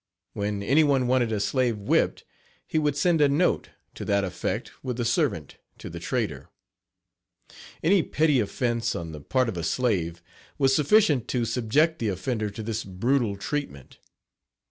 When any one wanted a slave whipped he would send a note to that effect with the servant to the trader. Any petty offense on the part of a slave Page 9 was sufficient to subject the offender to this brutal treatment.